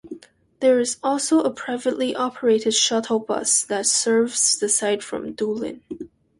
There is also a privately operated shuttle bus that serves the site from Doolin.